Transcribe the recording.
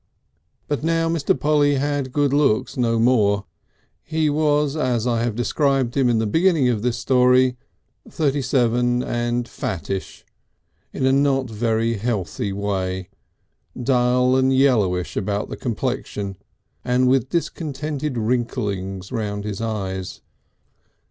But now Mr. Polly had good looks no more, he was as I have described him in the beginning of this story, thirty seven and fattish in a not very healthy way, dull and yellowish about the complexion, and with discontented wrinklings round his eyes.